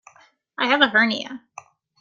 I have a hernia.